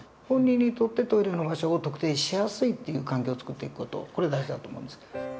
本人にとってトイレの場所を特定しやすいっていう環境を作っていく事これ大事だと思うんです。